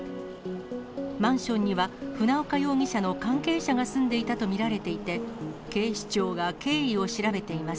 マンションには船岡容疑者の関係者が住んでいたと見られていて、警視庁が経緯を調べています。